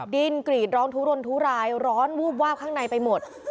ดิ้นกรีดร้องทุรนทุรายร้อนวูบวาบข้างในไปหมด